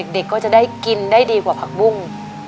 เด็กก็จะได้กินได้ดีกว่าผักบุ้ง